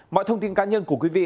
mọi thông tin cá nhân của quý vị